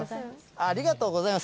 ありがとうございます。